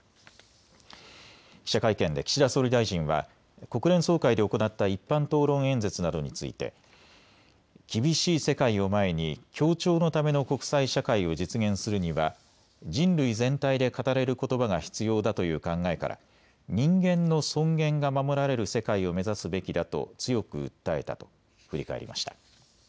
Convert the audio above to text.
記者会見で岸田総理大臣は国連総会で行った一般討論演説などについて厳しい世界を前に協調のための国際社会を実現するには人類全体で語れることばが必要だという考えから人間の尊厳が守られる世界を目指すべきだと強く訴えたと振り返りました。